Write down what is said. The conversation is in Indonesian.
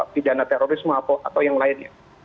pidana terorisme atau yang lainnya